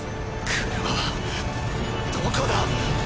車はどこだ？